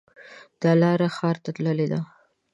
دا لاره ښار ته تللې ده